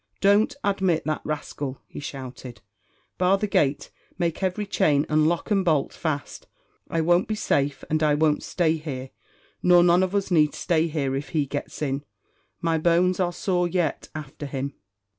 "Don't admit that rascal," he shouted; "bar the gate make every chain, and lock and bolt, fast I won't be safe and I won't stay here, nor none of us need stay here, if he gets in my bones are sore yet after him.